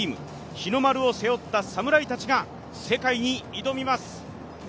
日の丸を背負った侍たちが世界に挑みます。